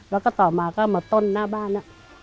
แล้วก็ต่อมาก็มาต้นหน้าบ้าน